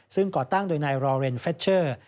ซึ่งก่อตั้งโดยนายรอเรนเฟชเชอร์